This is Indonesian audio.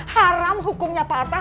haram hukumnya pak atta